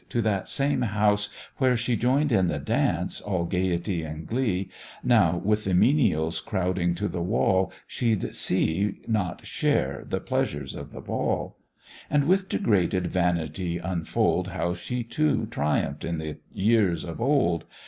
to that same house where she Join'd in the dance, all gaiety and glee, Now with the menials crowding to the wall She'd see, not share, the pleasures of the ball, And with degraded vanity unfold, How she too triumph'd in the years of old.